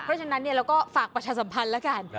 เพราะฉะนั้นเราก็ฝากประชาสัมพันธ์แล้วกัน